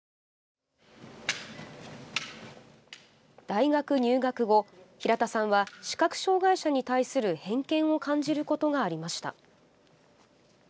大学入学後、平田さんは視覚障害者に対する偏見を感じることがありました。